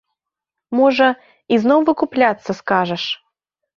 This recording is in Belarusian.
Можа, ізноў выкупляцца скажаш?